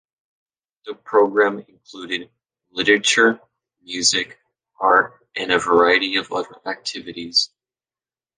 The programme included literature, music, art and a variety of other activities.